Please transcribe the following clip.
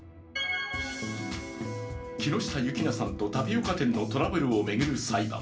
木下優樹菜さんとタピオカ店のトラブルを巡る裁判。